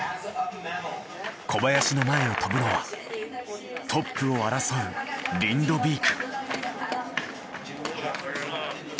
小林の前を飛ぶのはトップを争うリンドビーク。